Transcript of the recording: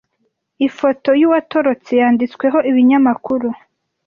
Ifoto yuwatorotse yanditsweho ibinyamakuru.